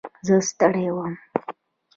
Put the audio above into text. زه ستړی وم.